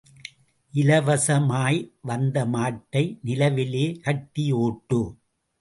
இலவசமாய் வந்த மாட்டை நிலவிலே கட்டி ஓட்டு.